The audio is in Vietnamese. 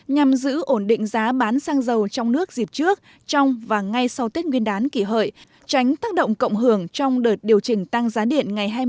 nhằm giữ ổn định giá bán xăng dầu trong nước dịp trước trong và ngay sau tết nguyên đán kỷ hợi tránh tác động cộng hưởng trong đợt điều chỉnh tăng giá điện ngày hai mươi tháng ba năm hai nghìn một mươi chín